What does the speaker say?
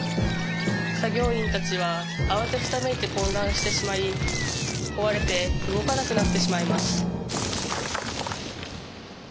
作業員たちは慌てふためいて混乱してしまい壊れて動かなくなってしまいます